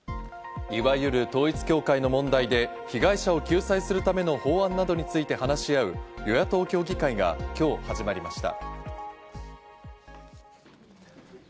いわゆる統一教会の問題で、被害者を救済するための法案などについて話し合う、与野党協議会が今日始まりました。